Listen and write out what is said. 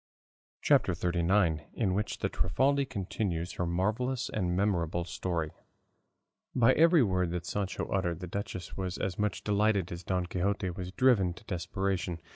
CHAPTER XXXIX. IN WHICH THE TRIFALDI CONTINUES HER MARVELLOUS AND MEMORABLE STORY By every word that Sancho uttered, the duchess was as much delighted as Don Quixote was driven to desperation.